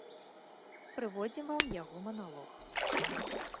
Прыводзім вам яго маналог.